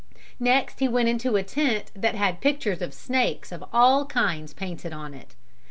Next he went into a tent that had pictures of snakes of all kinds painted on it.